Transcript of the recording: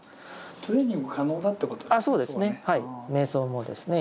トレーニング可能だということですね。